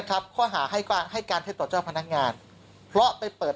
ครับข้อหาให้การให้การเท็จต่อเจ้าพนักงานเพราะไปเปิด